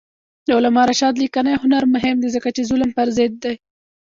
د علامه رشاد لیکنی هنر مهم دی ځکه چې ظلم پر ضد دی.